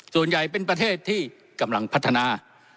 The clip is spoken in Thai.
ส่วนใหญ่เป็นประเทศที่กำลังพัฒนา